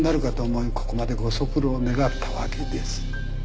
ここまでご足労願ったわけです。